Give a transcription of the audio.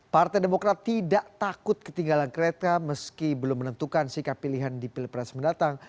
partai demokrat tidak takut ketinggalan kereta meski belum menentukan sikap pilihan di pilpres mendatang